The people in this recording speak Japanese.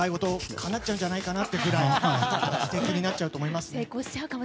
かなっちゃうんじゃないかというくらい素敵になっちゃうと思います。